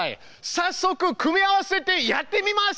さっそく組み合わせてやってみます。